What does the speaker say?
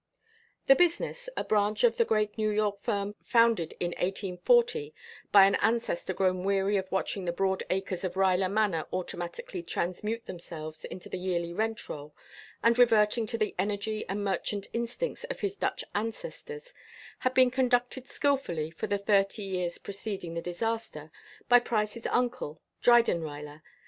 The business, a branch of the great New York firm founded in 1840 by an ancestor grown weary of watching the broad acres of Ruyler Manor automatically transmute themselves into the yearly rent roll, and reverting to the energy and merchant instincts of his Dutch ancestors, had been conducted skillfully for the thirty years preceding the disaster by Price's uncle, Dryden Ruyler.